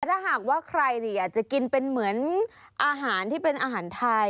ถ้าหากว่าใครอยากจะกินเป็นเหมือนอาหารที่เป็นอาหารไทย